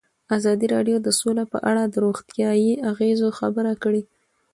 ازادي راډیو د سوله په اړه د روغتیایي اغېزو خبره کړې.